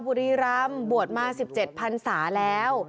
ธรรมบวชมา๑๗พันศาแล้ว